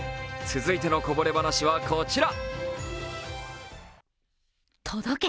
続いてのこぼれ話はこちら。